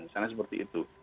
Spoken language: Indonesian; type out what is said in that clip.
misalnya seperti itu